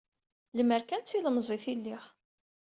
Lemer kan d tilemẓit i lliɣ.